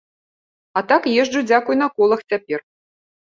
А так, езджу, дзякуй на колах цяпер.